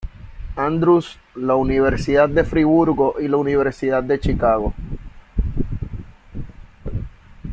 Andrews, la Universidad de Friburgo, y la Universidad de Chicago.